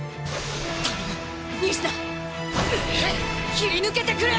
切り抜けてくれ！